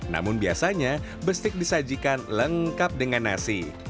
namun biasanya bestik disajikan lengkap dengan nasi